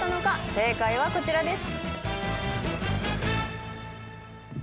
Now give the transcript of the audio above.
正解はこちらです。